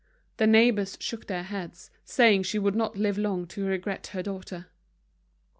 The neighbors shook their heads, saying she would not live long to regret her daughter.